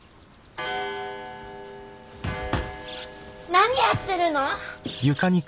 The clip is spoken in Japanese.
何やってるの！？